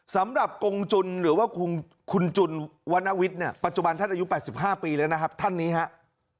กงจุนหรือว่าคุณจุนวรรณวิทย์เนี่ยปัจจุบันท่านอายุ๘๕ปีแล้วนะครับท่านนี้ครับ